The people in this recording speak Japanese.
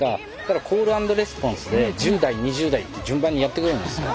コール＆レスポンスで１０代２０代って順番にやってくれるんですよ。